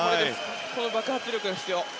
この爆発力が必要。